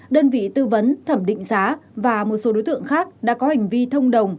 đơn vị tư vấn thẩm định giá và một số đối tượng khác đã có hành vi thông đồng